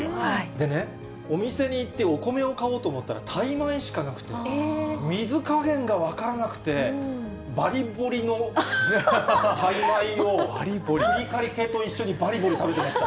でね、お店に行ってお米を買おうと思ったらタイ米しかなくて、水加減が分からなくて、ばりぼりのタイ米をふりかけと一緒にばりぼり食べてました。